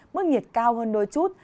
mức nhiệt cao hơn đôi chút